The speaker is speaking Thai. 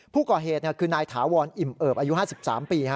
ผู้ก่อเหตุคือนายถาวรอิ่มเอิบอายุ๕๓ปี